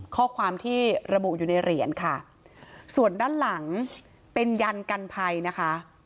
ข้อความที่ระบุอยู่ในเหรียญค่ะส่วนด้านหลังเป็นยันกันภัยนะคะ